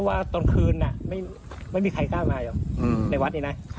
ทางผู้ชมพอเห็นแบบนี้นะทางผู้ชมพอเห็นแบบนี้นะ